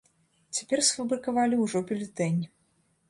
Цяпер сфабрыкавалі ўжо бюлетэнь.